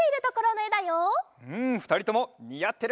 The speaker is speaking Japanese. うんふたりともにあってる！